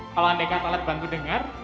kalau andaikan toilet bantu dengar